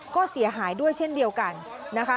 ก็เสียหายด้วยเช่นเดียวกันนะคะ